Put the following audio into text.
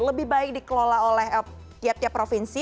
lebih baik dikelola oleh tiap tiap provinsi